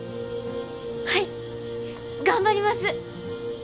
はい頑張ります！